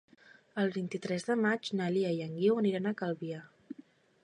El vint-i-tres de maig na Lia i en Guiu aniran a Calvià.